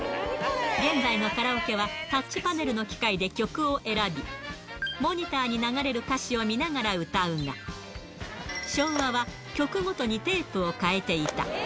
現在のカラオケはタッチパネルの機械で曲を選び、モニターに流れる歌詞を見ながら歌うが、昭和は曲ごとにテープをかえていた。